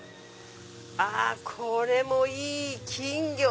あこれもいい金魚。